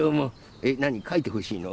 えっなにかいてほしいの？